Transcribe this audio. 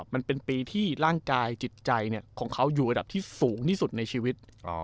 มันเป็นปีที่ร่างกายจิตใจของเขาอยู่ระดับที่สูงที่สุดในชีวิต